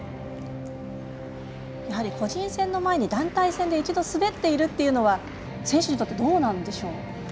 やはり個人戦の前に団体戦で一度、滑っているというのは選手にとってどうなんでしょう。